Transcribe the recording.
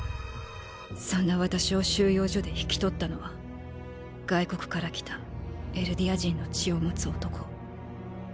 そんな私を収容所で引き取ったのは外国から来たエルディア人の血を持つ男。